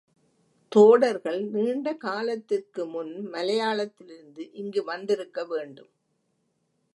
தோடர்கள் நீண்ட காலத்திற்கு முன் மலையாளத்திலிருந்து இங்கு வந்திருக்க வேண்டும்.